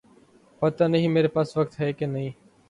پتا نہیں میرے پاس وقت ہے کہ نہیں